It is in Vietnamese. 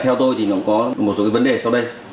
theo tôi thì nó có một số cái vấn đề sau đây